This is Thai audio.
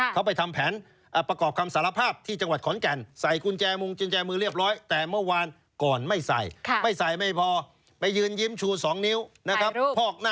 เขาไปทำแผนประกอบคำสารภาพที่จังหวัดขอล์แจ่น